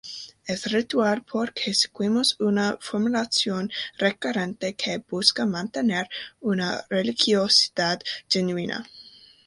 Es ritual porque seguimos una formulación recurrente que busca mantener una religiosidad genuina.